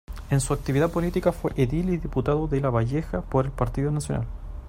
En su actividad política fue edil y diputado de Lavalleja por el Partido Nacional.